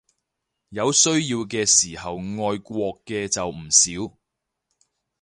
有需要嘅時候愛國嘅就唔少